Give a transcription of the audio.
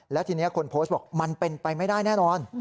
และทีนี้คนโพสต์บอกมันเป็นไปไม่ได้แน่นอน